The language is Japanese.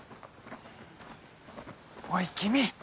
おい君！